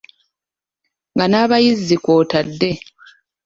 Nga n’abayizi kw’otadde.